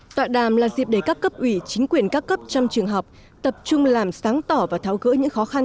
tọa đàm là dịp để các cấp ủy chính quyền các cấp trong trường học tập trung làm sáng tỏ và tháo gỡ những khó khăn